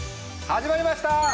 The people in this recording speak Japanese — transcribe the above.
始まりました！